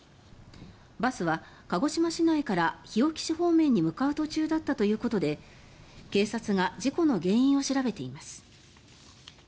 バスは鹿児島市内から日置市方面に向かう途中だったということで警察が事故の原因を調べています。